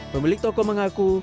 pembeli toko mengaku